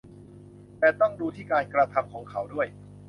แต่ต้องดูที่การกระทำของเขาด้วย